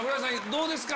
どうですか？